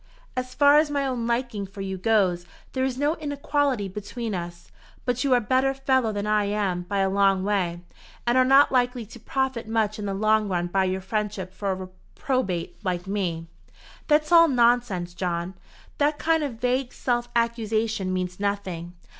As far as my own liking for you goes, there is no inequality between us; but you are a better fellow than I am by a long way, and are not likely to profit much in the long run by your friendship for a reprobate like me." "That's all nonsense, John. That kind of vague self accusation means nothing.